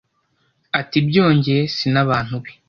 Ati byongeye si n’abantu be